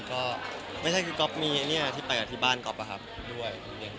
ก็ไม่ใช่พี่ก๊อฟมีเนี่ยที่ไปที่บ้านก๊อฟด้วย